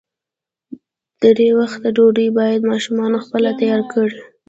درې وخته ډوډۍ باید ماشومان خپله تیاره کړي.